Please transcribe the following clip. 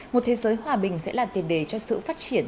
một thế giới hòa bình sẽ là tiền đề cho sự phát triển